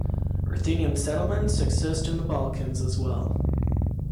Ruthenian settlements exist in the Balkans as well.